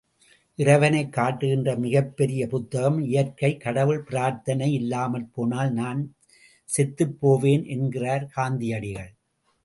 இறைவனைக் காட்டுகின்ற மிகப்பெரிய புத்தகம் இயற்கை கடவுள் பிரார்த்தனை இல்லாமற்போனால் நான் செத்துப் போவேன் என்கிறார் காந்தியடிகள்.